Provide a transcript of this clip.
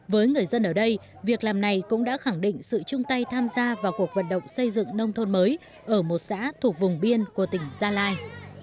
với người dân ở đây việc làm này cũng đã khẳng định sự chung tay tham gia vào cuộc vận động xây dựng nông thôn mới ở một xã thuộc vùng biên của tỉnh gia lai